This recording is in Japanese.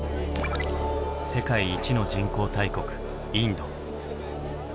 世界一の人口大国インド。